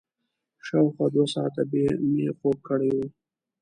شاوخوا دوه ساعته به مې خوب کړی وي.